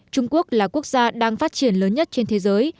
trung quốc là quốc gia đang phát triển lớn nhất trên thế giới